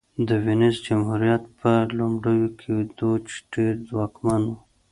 د وینز جمهوریت په لومړیو کې دوج ډېر ځواکمن و